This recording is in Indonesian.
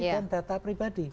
dan data pribadi